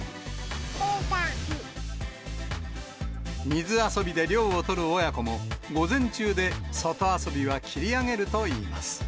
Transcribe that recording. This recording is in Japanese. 水遊びで涼を取る親子も、午前中で外遊びは切り上げるといいます。